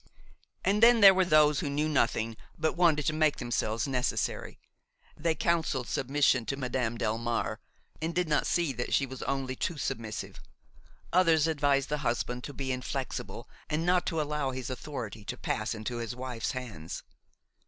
And then there were those who knew nothing, but wanted to make themselves necessary. They counselled submission to Madame Delmare and did not see that she was only too submissive; others advised the husband to be inflexible and not to allow his authority to pass into his wife's hands.